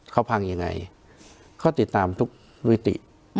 เขาพังยังไงเขาติดตามทุกวิติ